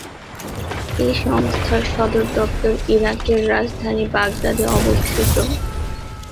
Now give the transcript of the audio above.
এই সংস্থার সদর দপ্তর ইরাকের রাজধানী বাগদাদে অবস্থিত।